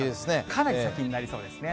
かなり先になりそうですね。